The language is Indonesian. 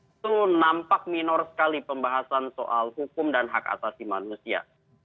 itu nampak minor sekali pembahasan soal hukum dan hak asasi manusia